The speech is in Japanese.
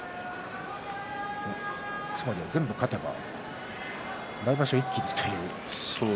つまりは全部勝てば来場所一気にという。